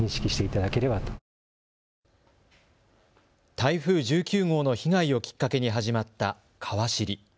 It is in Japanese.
台風１９号の被害をきっかけに始まった、かわ知り。